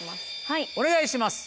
お願いします。